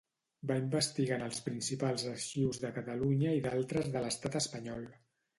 Va investigar en els principals arxius de Catalunya i d'altres de l'Estat espanyol.